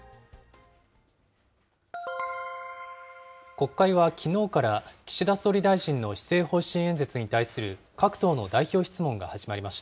国会はきのうから、岸田総理大臣の施政方針演説に対する各党の代表質問が始まりまし